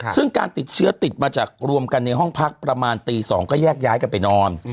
ซึ่งการติดเชื้อติดมาจากรวมกันในห้องพักประมาณตี๒ก็แยกย้ายกันไปนอน